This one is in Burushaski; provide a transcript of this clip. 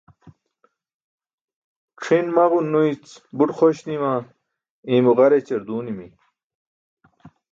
c̣ʰin maġon nuyic buṭ xoś nima iimo ġar ećar duunimi